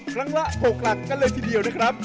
ครั้งละ๖หลักกันเลยทีเดียวนะครับ